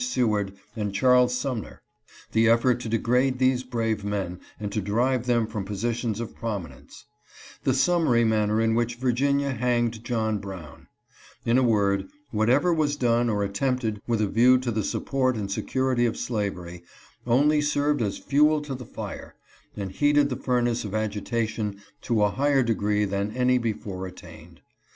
Seward, and Charles Sum ner ; the effort to degrade these brave men and to drive them from positions of prominence ; the summary manner in which Virginia hanged John Brown ; in a word, what ever was done or attempted with a view to the support and security of slavery, only served as fuel to the fire, and heated the furnace of agitation to a higher degree than any before attained.